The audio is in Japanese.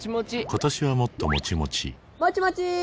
今年はもっともちもちもちもちー！